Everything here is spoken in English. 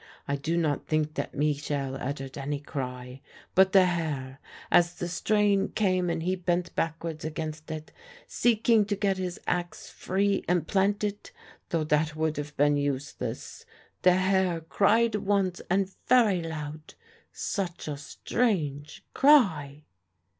I do not think that Michel uttered any cry: but the Herr, as the strain came and he bent backwards against it, seeking to get his axe free and plant it ... though that would have been useless ... the Herr cried once and very loud ... such a strange cry!